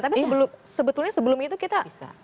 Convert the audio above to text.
tapi sebetulnya sebelum itu kita bisa